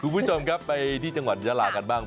คุณผู้ชมครับไปที่จังหวัดยาลากันบ้าง